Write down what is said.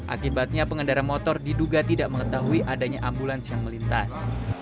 akibatnya pengendara motor diduga tidak mengetahui adanya ambulans yang melintas